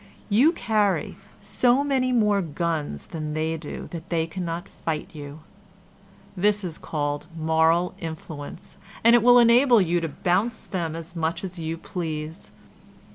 You carry so many more guns than they do that they cannot fight you. This is called moral influence, and it will enable you to bounce them as much as you please.